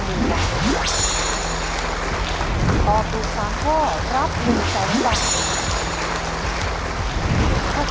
ถ้าช่วงมีตอบถูกทั้งหมด๔ข้อรับคุณไปต่อที่สูงสุดที่๑ล้านบาท